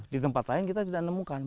di tempat lain kita tidak nemukan